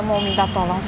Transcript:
terima kasih udah nonton